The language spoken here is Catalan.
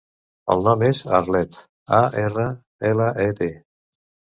El nom és Arlet: a, erra, ela, e, te.